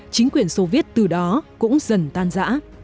chính quyền soviet từ đó cũng dần tan giã